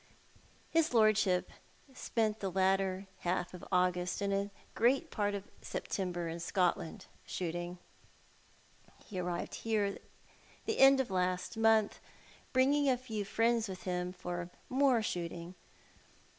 His lordship spent the latter half of August and a great part of September in Scotland — shooting. He arrived here towards the end of last month, bringing a few friends with him, for more shooting.